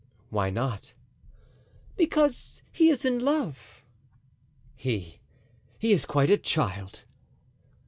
"Why not?" "Because he is in love." "He! he is quite a child!"